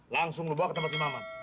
langsung lu bawa ke tempat si mama